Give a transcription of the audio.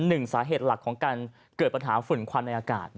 หนึ่งสาเหตุหลักของการเกิดปัญหาฝุ่นควันในอากาศ